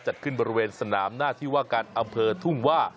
จัดขึ้นบริเวณสนามหน้าที่ว่าการอำเภอทุ่งว่า